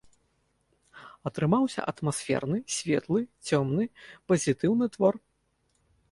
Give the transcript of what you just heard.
Атрымаўся атмасферны, светлы, цёмны, пазітыўны твор.